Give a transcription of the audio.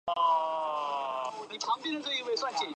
越南国首相阮文心之子。